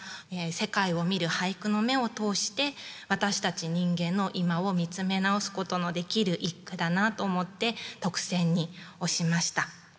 世界を見る俳句の目を通して私たち人間の今を見つめ直すことのできる一句だなと思って特選に推しました。